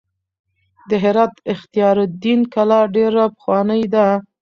د هرات اختیار الدین کلا ډېره پخوانۍ ده.